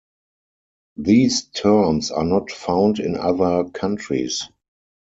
These terms are not found in other countries.